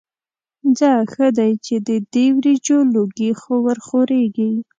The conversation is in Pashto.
ځه ښه دی چې د دې وریجو لوګي خو ورخوريږي.